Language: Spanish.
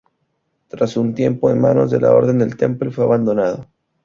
Tras un tiempo en manos de la Orden del Temple, fue abandonado.